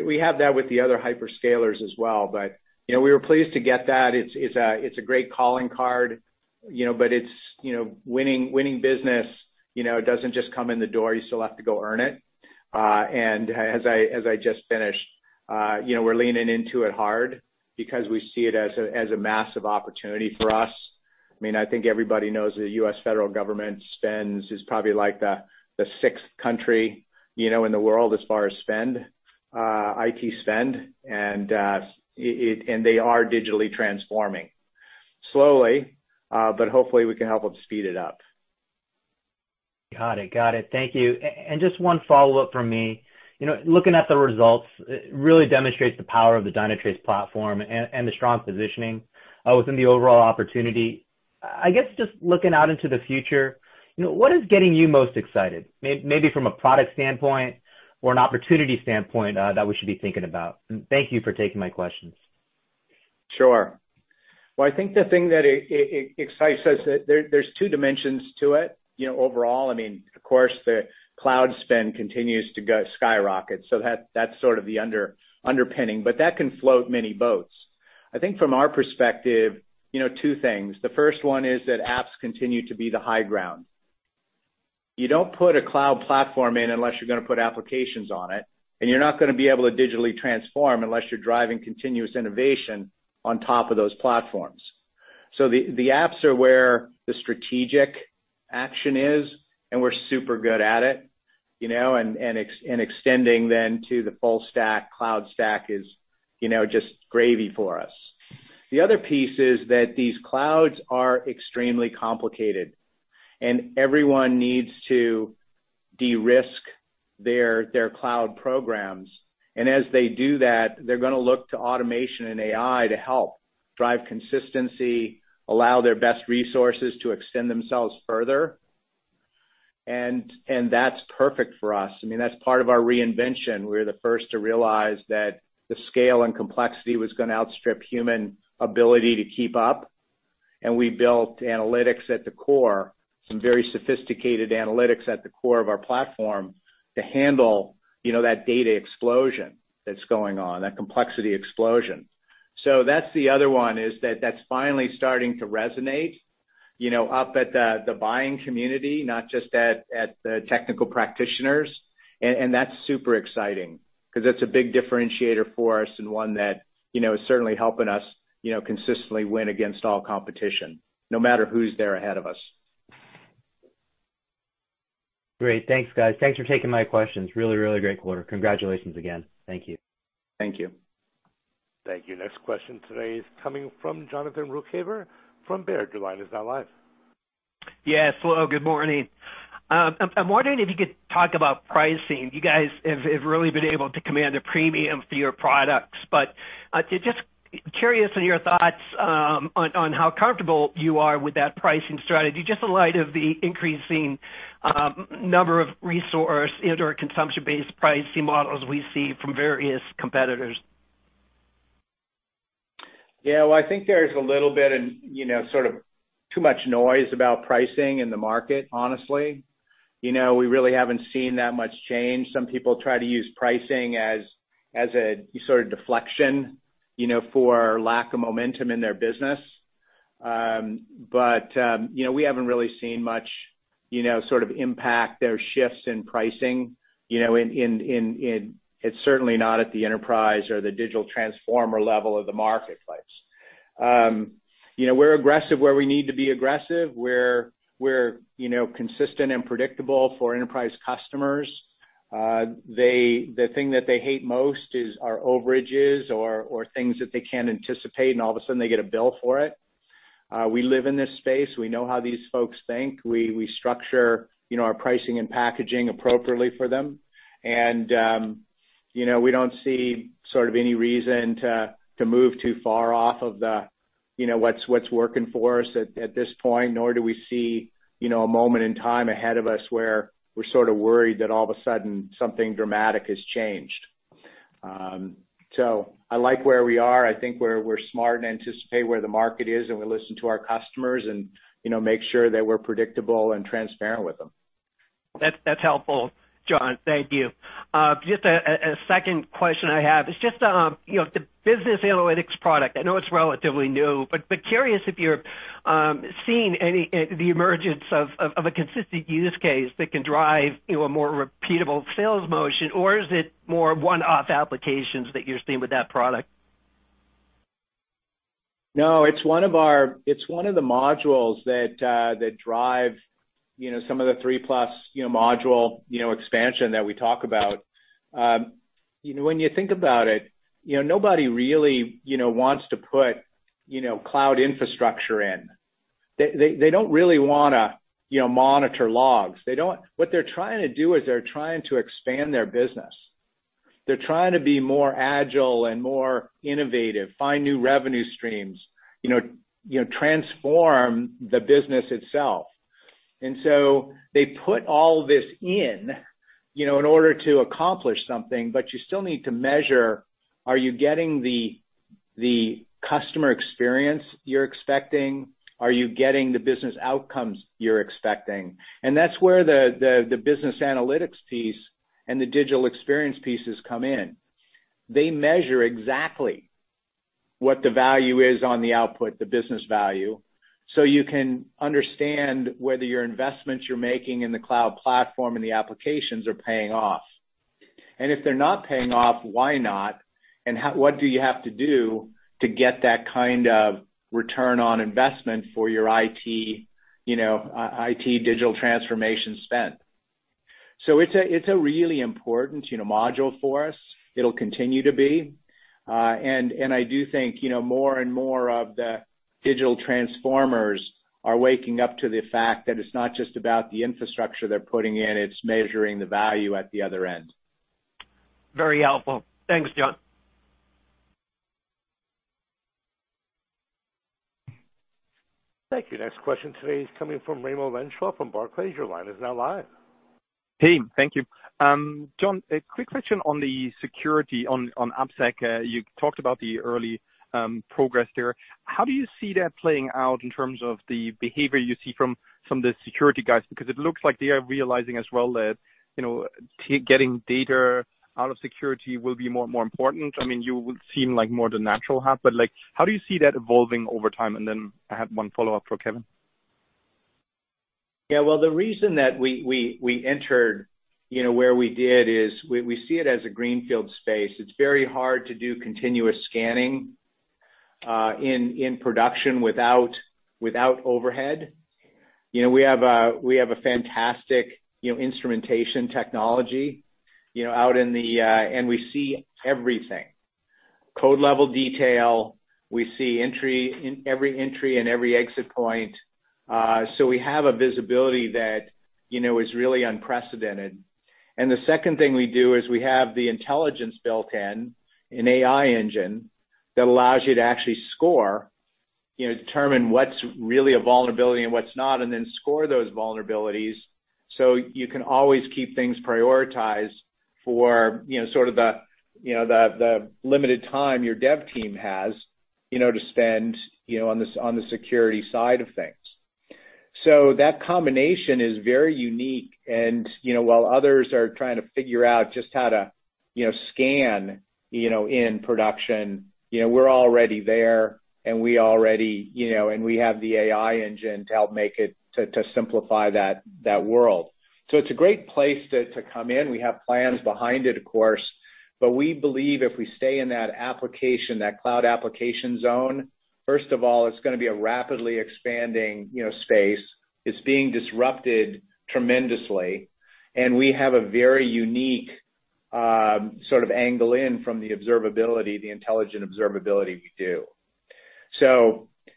We have that with the other hyperscalers as well. We were pleased to get that. It's a great calling card, but winning business doesn't just come in the door. You still have to go earn it. As I just finished, we're leaning into it hard because we see it as a massive opportunity for us. I think everybody knows the U.S. Federal government is probably like the sixth country in the world as far as IT spend. They are digitally transforming. Slowly, but hopefully we can help them speed it up. Got it. Thank you. Just one follow-up from me. Looking at the results, it really demonstrates the power of the Dynatrace platform and the strong positioning within the overall opportunity. I guess, just looking out into the future, what is getting you most excited, maybe from a product standpoint or an opportunity standpoint that we should be thinking about? Thank you for taking my questions. Sure. Well, I think the thing that excites us, there's two dimensions to it. Overall, of course, the cloud spend continues to skyrocket, that's sort of the underpinning. That can float many boats. I think from our perspective, two things. The first one is that apps continue to be the high ground. You don't put a cloud platform in unless you're going to put applications on it, and you're not going to be able to digitally transform unless you're driving continuous innovation on top of those platforms. The apps are where the strategic action is, and we're super good at it. Extending then to the full stack, cloud stack is just gravy for us. The other piece is that these clouds are extremely complicated, and everyone needs to de-risk their cloud programs. As they do that, they're going to look to automation and AI to help drive consistency, allow their best resources to extend themselves further, and that's perfect for us. That's part of our reinvention. We're the first to realize that the scale and complexity was going to outstrip human ability to keep up. We built analytics at the core, some very sophisticated analytics at the core of our platform to handle that data explosion that's going on, that complexity explosion. That's the other one, is that that's finally starting to resonate up at the buying community, not just at the technical practitioners. That's super exciting because it's a big differentiator for us and one that is certainly helping us consistently win against all competition, no matter who's there ahead of us. Great. Thanks, guys. Thanks for taking my questions. Really great quarter. Congratulations again. Thank you. Thank you. Thank you. Next question today is coming from Jonathan Ruykhaver from Baird. Your line is now live. Yes. Hello, good morning. I'm wondering if you could talk about pricing. You guys have really been able to command a premium for your products, but just curious on your thoughts on how comfortable you are with that pricing strategy, just in light of the increasing number of resource and/or consumption-based pricing models we see from various competitors. Yeah. Well, I think there's a little bit of sort of too much noise about pricing in the market, honestly. We really haven't seen that much change. Some people try to use pricing as a sort of deflection for lack of momentum in their business. We haven't really seen much sort of impact there, shifts in pricing. It's certainly not at the enterprise or the digital transformer level of the marketplace. We're aggressive where we need to be aggressive. We're consistent and predictable for enterprise customers. The thing that they hate most is our overages or things that they can't anticipate, and all of a sudden, they get a bill for it. We live in this space. We know how these folks think. We structure our pricing and packaging appropriately for them. We don't see sort of any reason to move too far off of what's working for us at this point, nor do we see a moment in time ahead of us where we're sort of worried that all of a sudden something dramatic has changed. I like where we are. I think we're smart and anticipate where the market is, and we listen to our customers and make sure that we're predictable and transparent with them. That's helpful, John. Thank you. Just a second question I have. It's just the business analytics product. I know it's relatively new, but curious if you're seeing the emergence of a consistent use case that can drive a more repeatable sales motion, or is it more one-off applications that you're seeing with that product? No, it's one of the modules that drive some of the 3-plus module expansion that we talk about. When you think about it, nobody really wants to put cloud infrastructure in. They don't really want to monitor logs. What they're trying to do is they're trying to expand their business. They're trying to be more agile and more innovative, find new revenue streams, transform the business itself. They put all this in in order to accomplish something, but you still need to measure, are you getting the customer experience you're expecting? Are you getting the business outcomes you're expecting? That's where the business analytics piece and the digital experience pieces come in. They measure exactly what the value is on the output, the business value, so you can understand whether your investments you're making in the cloud platform and the applications are paying off. If they're not paying off, why not? What do you have to do to get that kind of return on investment for your IT digital transformation spend? It's a really important module for us. It'll continue to be. I do think more and more of the digital transformers are waking up to the fact that it's not just about the infrastructure they're putting in, it's measuring the value at the other end. Very helpful. Thanks, John. Thank you. Next question today is coming from Raimo Lenschow from Barclays. Your line is now live. Hey, thank you. John, a quick question on the security on AppSec. You talked about the early progress there. How do you see that playing out in terms of the behavior you see from the security guys? Because it looks like they are realizing as well that getting data out of security will be more and more important. I mean, you would seem like more the natural half, but how do you see that evolving over time? I have one follow-up for Kevin. Well, the reason that we entered where we did is we see it as a greenfield space. It's very hard to do continuous scanning in production without overhead. We have a fantastic instrumentation technology. We see everything. Code-level detail. We see every entry and every exit point. We have a visibility that is really unprecedented. The second thing we do is we have the intelligence built in, an AI engine that allows you to actually score, determine what's really a vulnerability and what's not, and then score those vulnerabilities so you can always keep things prioritized for sort of the limited time your dev team has to spend on the security side of things. That combination is very unique, and while others are trying to figure out just how to scan in production, we're already there, and we have the AI engine to help make it to simplify that world. It's a great place to come in. We have plans behind it, of course, but we believe if we stay in that application, that cloud application zone, first of all, it's going to be a rapidly expanding space. It's being disrupted tremendously, and we have a very unique sort of angle in from the observability, the intelligent observability we do.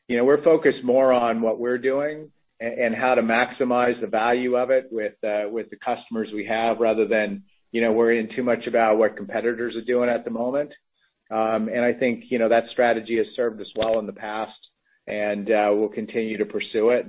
We're focused more on what we're doing and how to maximize the value of it with the customers we have, rather than worrying too much about what competitors are doing at the moment. I think that strategy has served us well in the past, and we'll continue to pursue it.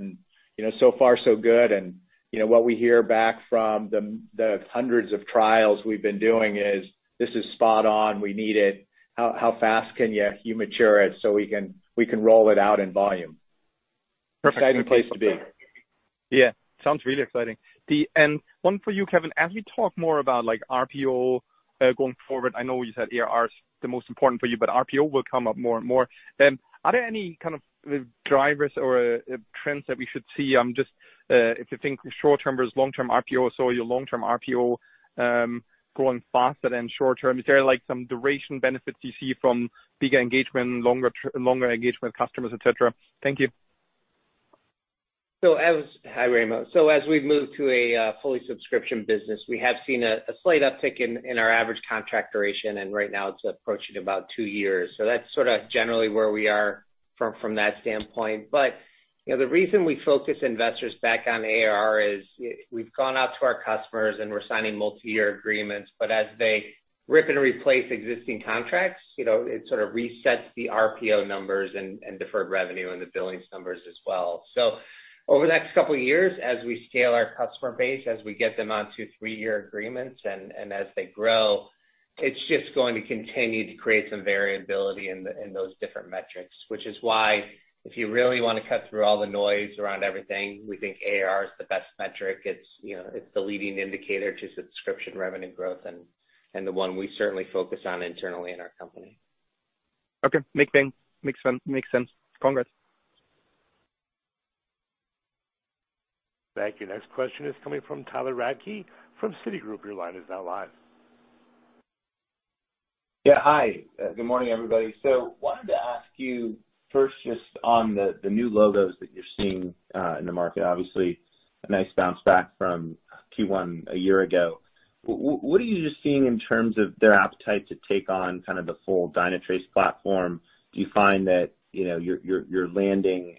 So far so good, and what we hear back from the hundreds of trials we've been doing is, "This is spot on. We need it. How fast can you mature it so we can roll it out in volume?" Exciting place to be. Yeah. Sounds really exciting. One for you, Kevin. As we talk more about RPO going forward, I know you said ARR is the most important for you, but RPO will come up more and more. Are there any kind of drivers or trends that we should see? If you think short-term versus long-term RPO, so your long-term RPO growing faster than short-term, is there some duration benefits you see from bigger engagement, longer engagement with customers, et cetera? Thank you. Hi, Raimo. As we've moved to a fully subscription business, we have seen a slight uptick in our average contract duration, and right now it's approaching about two years. That's sort of generally where we are from that standpoint. The reason we focus investors back on ARR is we've gone out to our customers and we're signing multi-year agreements, but as they rip and replace existing contracts, it sort of resets the RPO numbers, and deferred revenue, and the billings numbers as well. Over the next couple of years, as we scale our customer base, as we get them onto three-year agreements, and as they grow, it's just going to continue to create some variability in those different metrics. If you really want to cut through all the noise around everything, we think ARR is the best metric. It's the leading indicator to subscription revenue growth, and the one we certainly focus on internally in our company. Okay. Makes sense. Congrats. Thank you. Next question is coming from Tyler Radke from Citigroup. Your line is now live. Yeah, hi. Good morning, everybody. Wanted to ask you first just on the new logos that you're seeing in the market. Obviously, a nice bounce back from Q1 a year ago. What are you just seeing in terms of their appetite to take on kind of the full Dynatrace platform? Do you find that you're landing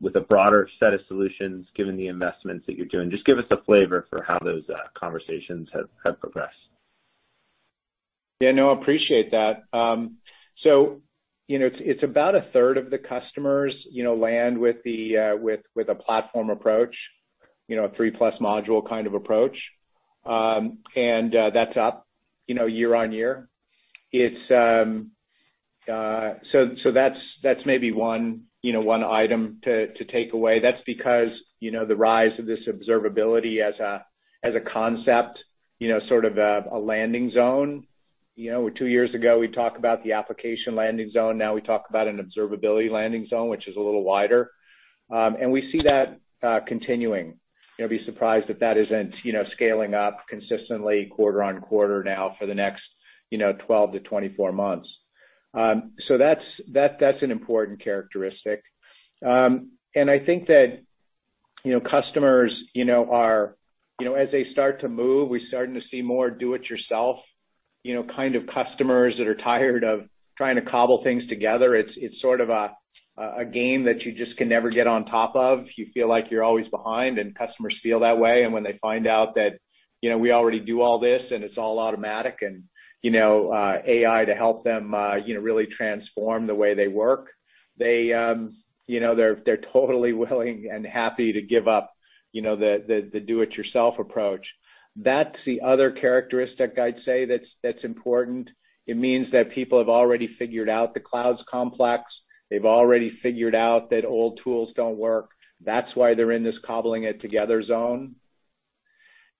with a broader set of solutions given the investments that you're doing? Just give us a flavor for how those conversations have progressed. Yeah, no, appreciate that. It's about a third of the customers land with a platform approach, a 3-plus module kind of approach. That's up year-over-year. That's maybe one item to take away. That's because the rise of this observability as a concept, sort of a landing zone. Two years ago, we talked about the application landing zone. Now we talk about an observability landing zone, which is a little wider. We see that continuing. You'll be surprised if that isn't scaling up consistently quarter-over-quarter now for the next 12-24 months. That's an important characteristic. I think that customers, as they start to move, we're starting to see more do it yourself kind of customers that are tired of trying to cobble things together. It's sort of a game that you just can never get on top of. You feel like you're always behind, and customers feel that way. When they find out that we already do all this, it's all automatic, and AI to help them really transform the way they work, they're totally willing and happy to give up the do it yourself approach. That's the other characteristic I'd say that's important. It means that people have already figured out the cloud's complex. They've already figured out that old tools don't work. That's why they're in this cobbling it together zone.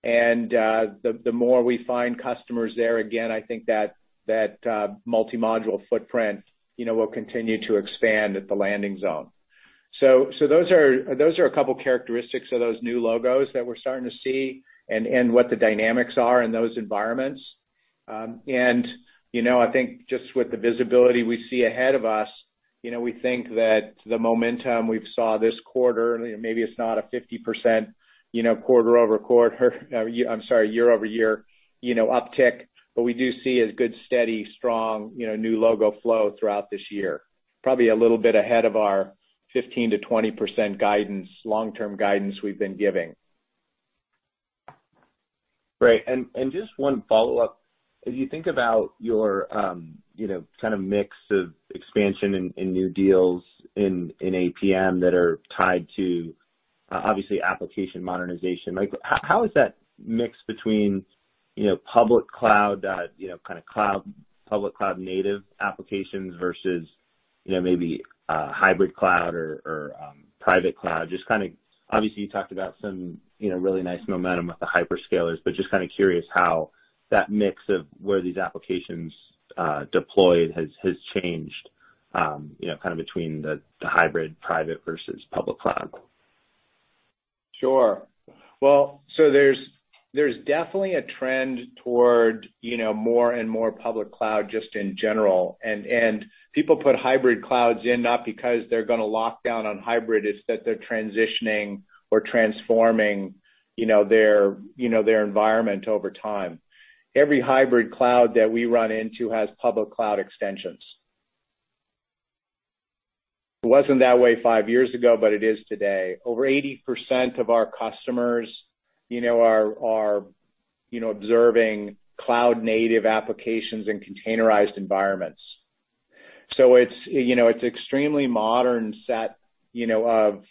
The more we find customers there, again, I think that multi-module footprint will continue to expand at the landing zone. Those are a couple characteristics of those new logos that we're starting to see and what the dynamics are in those environments. I think just with the visibility we see ahead of us, we think that the momentum we saw this quarter, maybe it's not a 50% quarter-over-quarter, I'm sorry, year-over-year uptick, but we do see a good, steady, strong new logo flow throughout this year. Probably a little bit ahead of our 15%-20% long-term guidance we've been giving. Great. Just one follow-up. As you think about your kind of mix of expansion in new deals in APM that are tied to obviously application modernization, how is that mix between public cloud, kind of public cloud native applications versus maybe hybrid cloud or private cloud? Obviously, you talked about some really nice momentum with the hyperscalers, just kind of curious how that mix of where these applications deployed has changed kind of between the hybrid private versus public cloud. Sure. Well, there's definitely a trend toward more and more public cloud just in general. People put hybrid clouds in not because they're going to lock down on hybrid, it's that they're transitioning or transforming their environment over time. Every hybrid cloud that we run into has public cloud extensions. It wasn't that way five years ago, but it is today. Over 80% of our customers are observing cloud-native applications and containerized environments. It's extremely modern set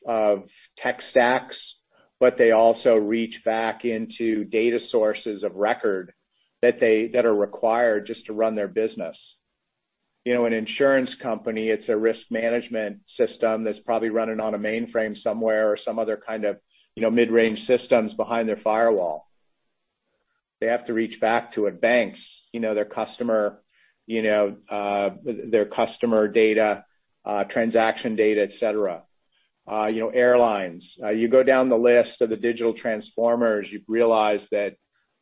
of tech stacks, but they also reach back into data sources of record that are required just to run their business. An insurance company, it's a risk management system that's probably running on a mainframe somewhere or some other kind of mid-range systems behind their firewall. They have to reach back to it. Banks, their customer data, transaction data, et cetera. Airlines. You go down the list of the digital transformers, you realize that.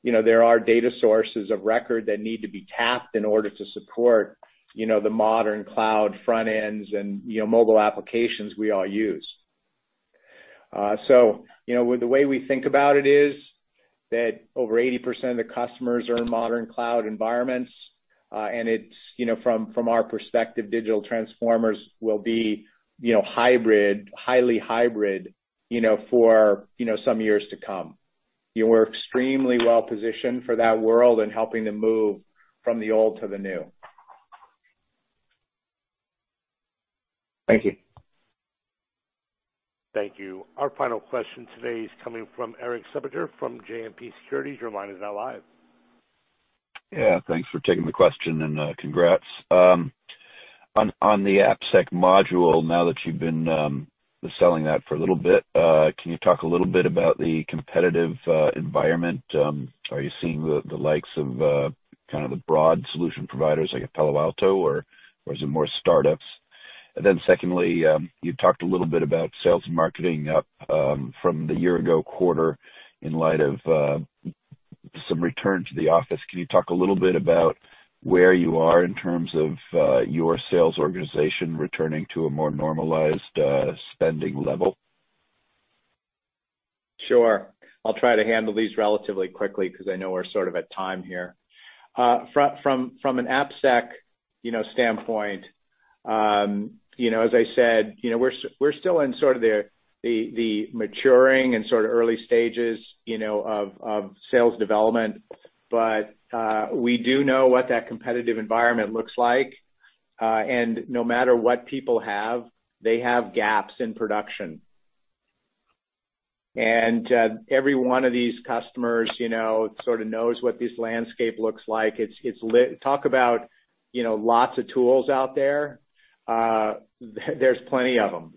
There are data sources of record that need to be tapped in order to support the modern cloud front ends and mobile applications we all use. The way we think about it is that over 80% of the customers are in modern cloud environments. From our perspective, digital transformers will be highly hybrid for some years to come. We're extremely well-positioned for that world and helping them move from the old to the new. Thank you. Thank you. Our final question today is coming from Erik Suppiger from JMP Securities. Your line is now live. Yeah. Thanks for taking the question and congrats. On the AppSec module, now that you've been selling that for a little bit, can you talk a little bit about the competitive environment? Are you seeing the likes of kind of the broad solution providers like a Palo Alto or is it more startups? Secondly, you talked a little bit about sales and marketing up from the year-ago quarter in light of some return to the office. Can you talk a little bit about where you are in terms of your sales organization returning to a more normalized spending level? Sure. I'll try to handle these relatively quickly because I know we're sort of at time here. From an AppSec standpoint, as I said, we're still in sort of the maturing and sort of early stages of sales development. We do know what that competitive environment looks like. No matter what people have, they have gaps in production. Every one of these customers sort of knows what this landscape looks like. Talk about lots of tools out there. There's plenty of them.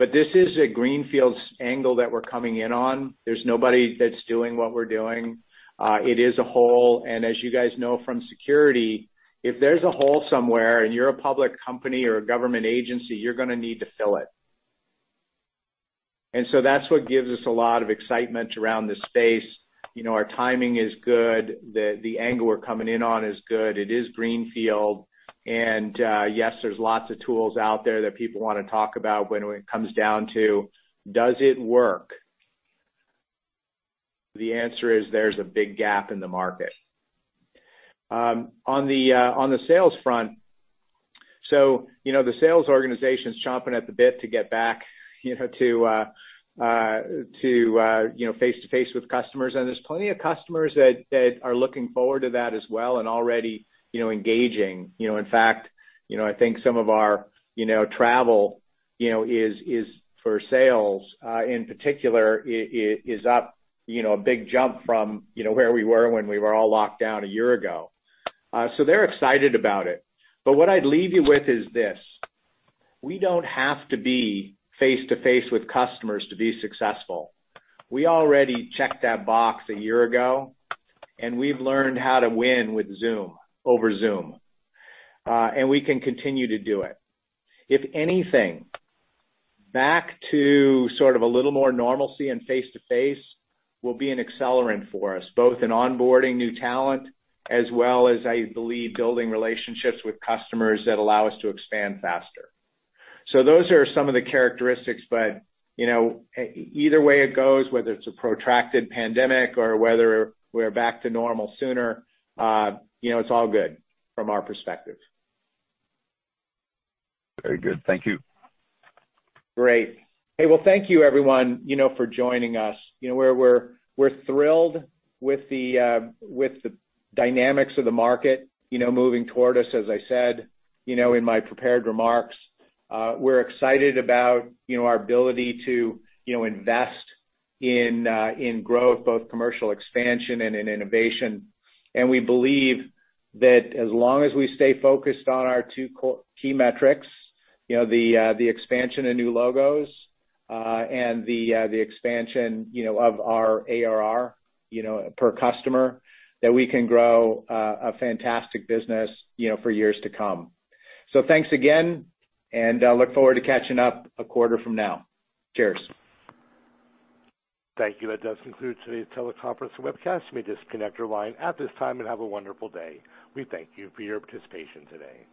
This is a greenfields angle that we're coming in on. There's nobody that's doing what we're doing. It is a hole, and as you guys know from security, if there's a hole somewhere and you're a public company or a government agency, you're going to need to fill it. That's what gives us a lot of excitement around the space. Our timing is good. The angle we're coming in on is good. It is greenfield. Yes, there's lots of tools out there that people want to talk about when it comes down to does it work? The answer is there's a big gap in the market. On the sales front, the sales organization's chomping at the bit to get back to face-to-face with customers. There's plenty of customers that are looking forward to that as well and already engaging. In fact, I think some of our travel is for sales, in particular, is up a big jump from where we were when we were all locked down 1 year ago. They're excited about it. What I'd leave you with is this. We don't have to be face-to-face with customers to be successful. We already checked that box a year ago, and we've learned how to win over Zoom. We can continue to do it. If anything, back to sort of a little more normalcy and face-to-face will be an accelerant for us, both in onboarding new talent as well as, I believe, building relationships with customers that allow us to expand faster. Those are some of the characteristics, but either way it goes, whether it's a protracted pandemic or whether we're back to normal sooner, it's all good from our perspective. Very good. Thank you. Great. Hey, well, thank you everyone for joining us. We're thrilled with the dynamics of the market moving toward us, as I said in my prepared remarks. We're excited about our ability to invest in growth, both commercial expansion and in innovation. We believe that as long as we stay focused on our two key metrics, the expansion of new logos, and the expansion of our ARR per customer, that we can grow a fantastic business for years to come. Thanks again, and I look forward to catching up a quarter from now. Cheers. Thank you. That does conclude today's teleconference and webcast. You may disconnect your line at this time, and have a wonderful day. We thank you for your participation today.